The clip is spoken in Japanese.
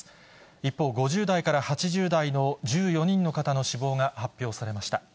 一方、５０代から８０代の１４人の方の死亡が発表されました。